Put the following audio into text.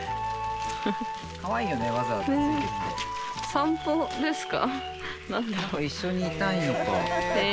散歩ですか？